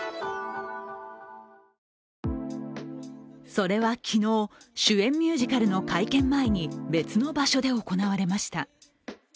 それは昨日、主演ミュージカルの会見前に別の場所で行われました。